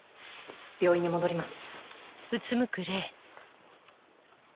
病院に戻ります。